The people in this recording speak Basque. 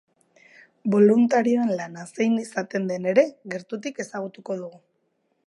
Boluntarioen lana zein izaten den ere gertutik ezagutuko dugu.